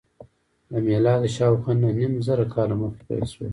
له میلاده شاوخوا نهه نیم زره کاله مخکې پیل شول.